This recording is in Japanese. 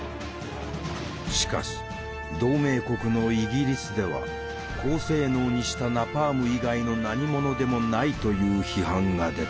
しかし同盟国のイギリスでは「高性能にしたナパーム以外の何ものでもない」という批判が出た。